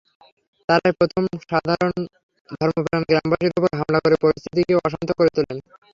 তাঁরাই প্রথম সাধারণ ধর্মপ্রাণ গ্রামবাসীর ওপর হামলা করে পরিস্থিতিকে অশান্ত করে তোলেন।